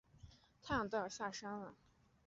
太阳都要下山了